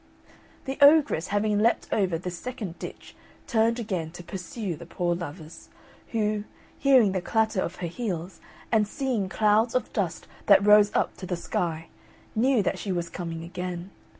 The ogress having leaped over this second ditch turned again to pursue the poor lovers, who, hearing the clatter of her heels, and seeing clouds of dust that rose up to the sky, knew that she was coming again.